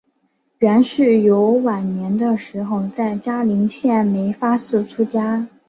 阮氏游晚年的时候在嘉林县梅发寺出家。